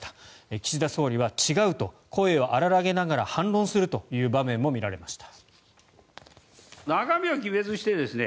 岸田総理は違うと声を荒らげながら反論するという場面も見られました。